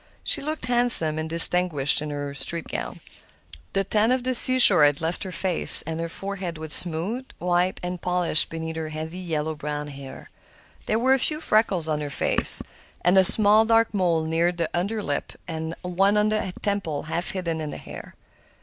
She looked handsome and distinguished in her street gown. The tan of the seashore had left her face, and her forehead was smooth, white, and polished beneath her heavy, yellow brown hair. There were a few freckles on her face, and a small, dark mole near the under lip and one on the temple, half hidden in her hair.